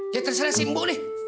ya terserah si mbok nih